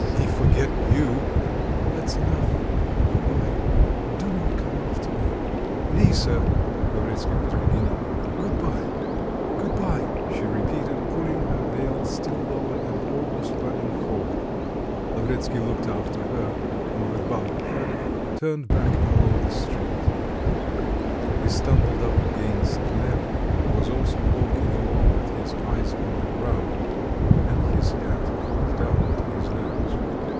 "Me forget you " "That's enough, good bye. Do not come after me." "Lisa!" Lavretsky was beginning. "Good bye, good bye!" she repeated, pulling her veil still lower and almost running forward. Lavretsky looked after her, and with bowed head, turned back along the street. He stumbled up against Lemm, who was also walking along with his eyes on the ground, and his hat pulled down to his nose.